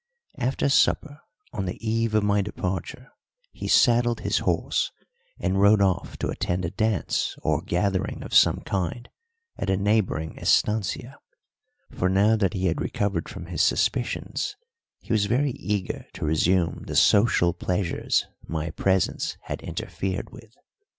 After supper on the eve of my departure he saddled his horse and rode off to attend a dance or gathering of some kind at a neighbouring estancia, for now that he had recovered from his suspicions he was very eager to resume the social pleasures my presence had interfered with.